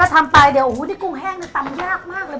ถ้าทำไปเดี๋ยวโหนี่กุ้งแห้งตำยากมากเลย